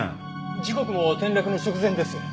時刻も転落の直前です。